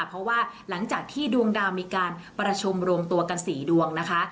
เพราะว่าหลังจากที่ดวงดาวมีการประชุมรวมตัวกัน๔ดวงนะคะ